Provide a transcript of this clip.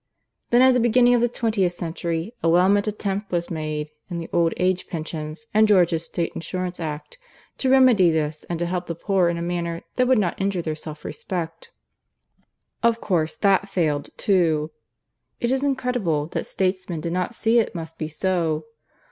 Then at the beginning of the twentieth century a well meant attempt was made, in the Old Age Pensions and George's State Insurance Act, to remedy this and to help the poor in a manner that would not injure their self respect. Of course that failed, too. It is incredible that statesmen did not see it must be so.